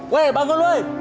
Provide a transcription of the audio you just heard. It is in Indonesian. weh bangun weh